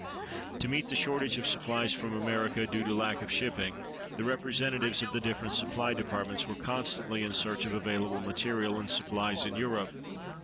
To meet the shortage of supplies from America, due to lack of shipping, the representatives of the different supply departments were constantly in search of available material and supplies in Europe.